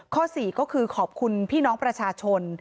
๔ก็คือขอบคุณพี่น้องประชาชน